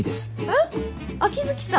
えっ秋月さん？